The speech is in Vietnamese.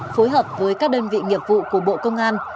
phối hợp với các đơn vị nghiệp vụ của bộ công an